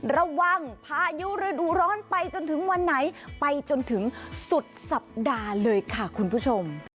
พายุฤดูร้อนไปจนถึงวันไหนไปจนถึงสุดสัปดาห์เลยค่ะคุณผู้ชม